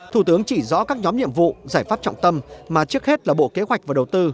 thủ tướng chỉ rõ các nhóm nhiệm vụ giải pháp trọng tâm mà trước hết là bộ kế hoạch và đầu tư